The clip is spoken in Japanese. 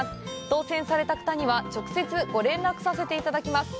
当せんされた方には直接ご連絡させていただきます。